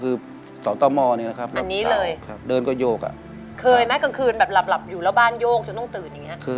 เคยไหมกลางคืนแบบหลับอยู่แล้วบ้านโยกจนต้องตื่นอย่างเนี้ย